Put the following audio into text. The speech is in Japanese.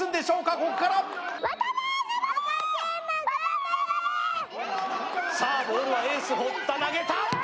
こっからさあボールはエース堀田投げた！